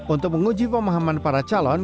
untuk menguji pemahaman para calon